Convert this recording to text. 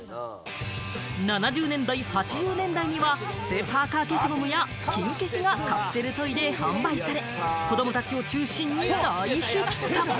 ７０年代、８０年代にはスーパーカー消しゴムやキン消しがカプセルトイで販売され、子供たちを中心に大ヒット。